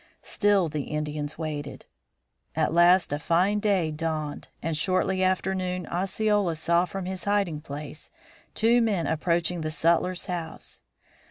Still the Indians waited. At last a fine day dawned, and shortly after noon Osceola saw from his hiding place two men approaching the sutler's house.